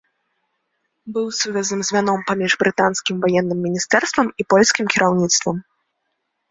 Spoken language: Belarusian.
Быў сувязным звяном паміж брытанскім ваенным міністэрствам і польскім кіраўніцтвам.